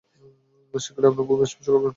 শীঘ্রই আপনারা ভূমি স্পর্শ করবেন।